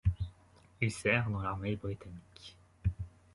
Il sert dans l'armée britannique.